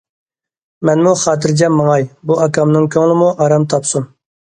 مەنمۇ خاتىرجەم ماڭاي، بۇ ئاكامنىڭ كۆڭلىمۇ ئارام تاپسۇن.